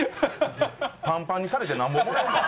パンパンにされてなんぼもらえんの？